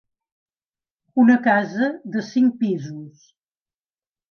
Una casa de cinc pisos.